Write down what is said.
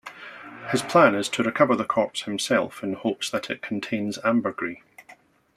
His plan is to recover the corpse himself in hopes that it contains ambergris.